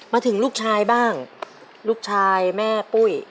มาถึงลูกชายบ้างลูกชายแม่ปุ้ย